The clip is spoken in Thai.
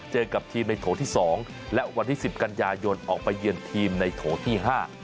เจอกับทีมในโถที่๒และวันที่๑๐กันยายนออกไปเยือนทีมในโถที่๕